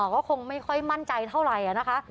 ก็คงไม่ค่อยมั่นใจเท่าไหร่นะคะ